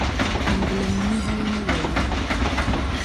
m bilim ni hal ni wayo.